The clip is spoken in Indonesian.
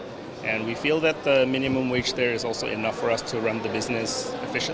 dan kami merasakan bahwa wajah minimum di jawa tengah itu cukup untuk memanfaatkan bisnisnya dengan efisien